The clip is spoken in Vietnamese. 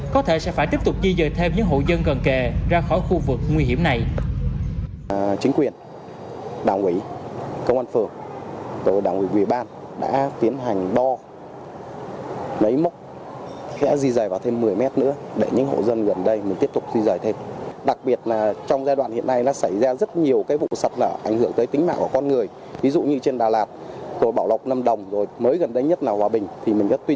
có thể sẽ phải tiếp tục di dời thêm những hụ dân gần kề ra khỏi khu vực nguy hiểm này